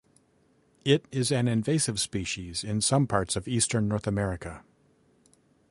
It is an invasive species in some parts of eastern North America.